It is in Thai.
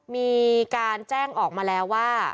มีการแจ้งออกมาแล้วว่า